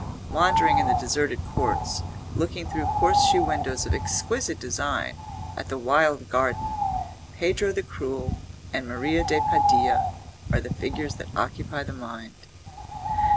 Wandering in the deserted courts, looking through horseshoe windows of exquisite design at the wild garden, Pedro the Cruel and Maria de Padilla are the figures that occupy the mind.